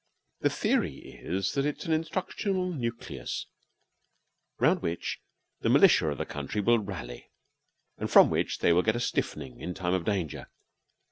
The theory is that it is an instructional nucleus round which the militia of the country will rally, and from which they will get a stiffening in time of danger.